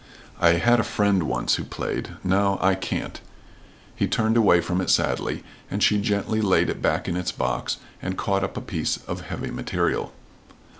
"I had a friend once who played. No, I can't." He turned away from it sadly, and she gently laid it back in its box, and caught up a piece of heavy material.